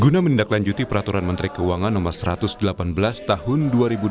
guna menindaklanjuti peraturan menteri keuangan no satu ratus delapan belas tahun dua ribu dua puluh